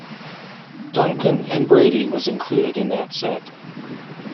"Duncan and Brady" was included in that set.